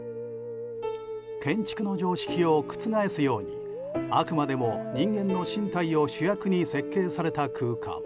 建築の常識を覆すようにあくまでも人間の身体を主役に設計された空間。